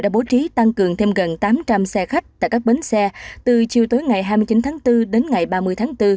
đã bố trí tăng cường thêm gần tám trăm linh xe khách tại các bến xe từ chiều tối ngày hai mươi chín tháng bốn đến ngày ba mươi tháng bốn